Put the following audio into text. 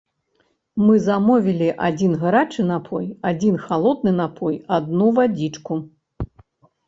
Мы замовілі адзін гарачы напой, адзін халодны напой, адну вадзічку.